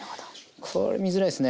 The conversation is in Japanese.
これ見づらいっすね。